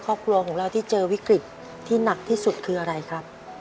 ครอบครัวของเราที่เจอวิกฤตที่หนักที่สุดคืออะไรครับ